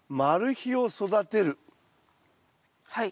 はい。